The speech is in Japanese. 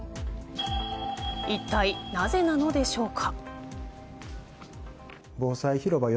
いったいなぜなのでしょうか。